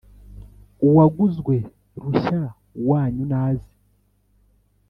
uwaguzwe rushya wanyu naze